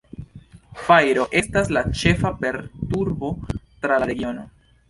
Fajro estas la ĉefa perturbo tra la regiono.